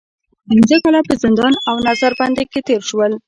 پنځه کاله په زندان او نظر بندۍ کې تېر کړل.